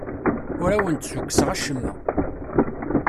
Ur awen-d-ssukkseɣ acemma.